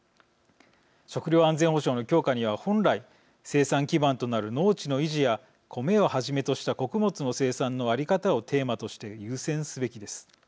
食料安全保障の強化には本来、生産基盤となる農地の維持やコメをはじめとした穀物の生産の在り方をテーマとして優先すべきです。